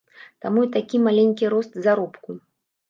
Таму і такі маленькі рост заробку.